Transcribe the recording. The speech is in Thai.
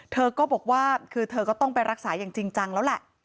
เธอก็บอกว่าคือเธอก็ต้องไปรักษาอย่างจริงจังแล้วแหละ